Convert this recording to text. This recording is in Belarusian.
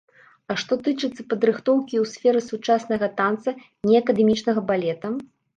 А што тычыцца падрыхтоўкі ў сферы сучаснага танца, не акадэмічнага балета?